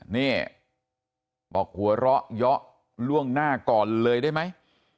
นี่บอกหัวเราะเยาะล่วงหน้าก่อนเลยได้ไหม